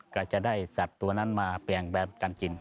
ก็จะได้สัตว์ตัวนั้นมาแปลงแบบกันจริง